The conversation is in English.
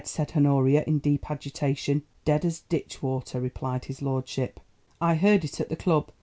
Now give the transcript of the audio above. said Honoria in deep agitation. "Dead as ditch water," replied his lordship. "I heard it at the club.